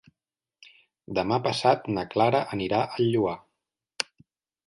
Demà passat na Clara anirà al Lloar.